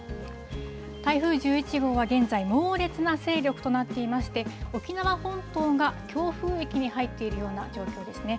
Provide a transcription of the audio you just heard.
台風１１号は現在、猛烈な勢力となっていまして、沖縄本島が強風域に入っているような状況ですね。